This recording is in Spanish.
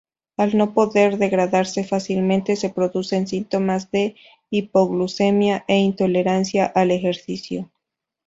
Al no poder degradarse fácilmente, se producen síntomas de hipoglucemia e intolerancia al ejercicio.